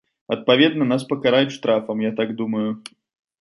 Адпаведна, нас пакараюць штрафам, я так думаю.